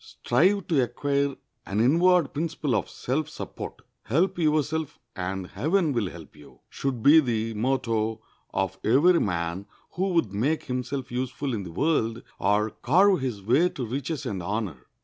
Strive to acquire an inward principle of self support. Help yourself and heaven will help you, should be the motto of every man who would make himself useful in the world or carve his way to riches and honor.